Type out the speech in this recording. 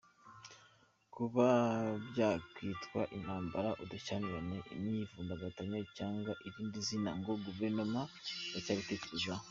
Kuba byakitwa intambara, ubushyamirane, imyivumbagatanyo cyangwa irindi zina ngo Guverinoma iracyabitekerezaho.